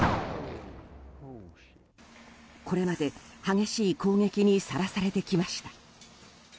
これまで激しい攻撃にさらされてきました。